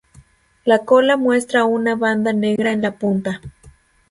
La cola muestra una banda negra en la punta.